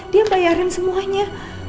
dia bayarin semuanya